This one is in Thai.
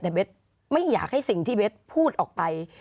แต่เบสไม่อยากให้สิ่งที่เบสพูดออกไป